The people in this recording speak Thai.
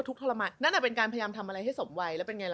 กูยังถ่ายออกที่ทิ้งไม่ได้